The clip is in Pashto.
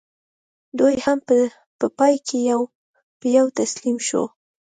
دوی هم په پای کې یو په یو تسلیم شول.